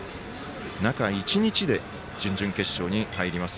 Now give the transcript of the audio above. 中１日で、準々決勝に入ります